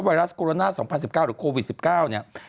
ไวรัสโกรนาส๒๐๑๙หรือโควิด๑๙